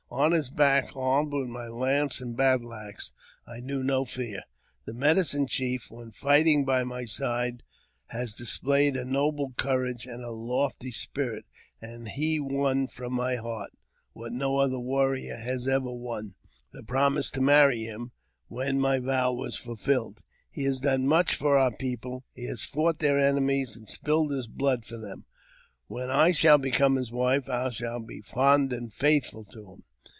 On his back, armed with my lance and battle axe, I knew no fear. The medicine chief, when fighting by my side, has displayed a noble courage and a lofty spirit, and he won from my heart, what no other warrior has ever won, the promise to marry him when my vow was fulfilled. He has done much for our people ; he has fought their enemies, and spilled his blood for them. When I shall become his wife, I shall be fond and faithful to him.